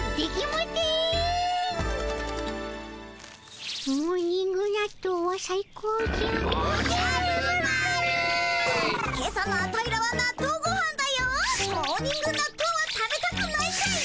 モーニング納豆は食べたくないかい？